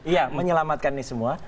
ya menyelamatkan ini semua